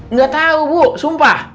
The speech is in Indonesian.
nggak tau bu sumpah